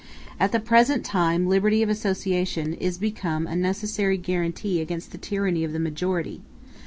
At the present time the liberty of association is become a necessary guarantee against the tyranny of the majority.